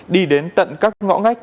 đi đến tận các ngõ ngách